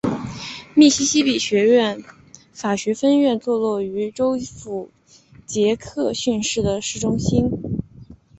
密西西比学院法学分院坐落于州府杰克逊市的市中心。